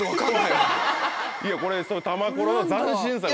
いやこれたまコロの斬新さが。